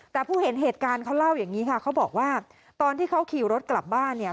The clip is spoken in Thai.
แต่ผู้เห็นเหตุการณ์เขาเล่าอย่างนี้ค่ะเขาบอกว่าตอนที่เขาขี่รถกลับบ้านเนี่ย